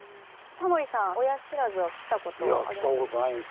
タモリさん親不知は来たことあります？